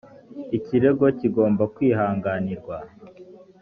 ikirego kigomba kwihanganirwa.